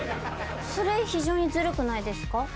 それ、非常にずるくないですか？